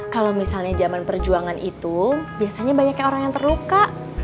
kalau misalnya zaman perjuangan itu biasanya banyaknya orang yang terluka